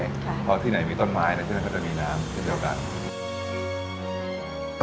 เพราะที่ไหนมีต้นไม้แล้วใช่ไหมก็จะมีน้ำเช่นเดียวกัน